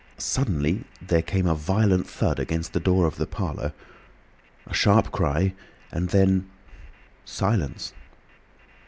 Suddenly there came a violent thud against the door of the parlour, a sharp cry, and then—silence.